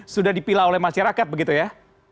sudah dipilah oleh masyarakat begitu ya